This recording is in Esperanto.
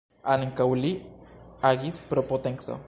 Ankaŭ li agis pro potenco.